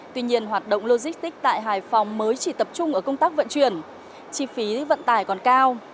tuy nhiên hoạt động logistics tại hải phòng mới chỉ tập trung ở công tác vận chuyển chi phí vận tải còn cao